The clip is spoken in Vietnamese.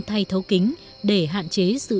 thay thấu kính để hạn chế sự